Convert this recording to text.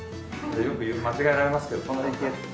よく間違えられますけど「隣行け」って。